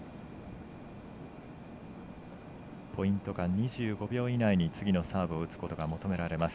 ２５秒以内に次のサーブを打つことが求められます。